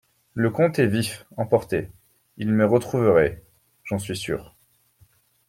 Le comte est vif, emporté ; il me retrouverait… j’en suis sûr…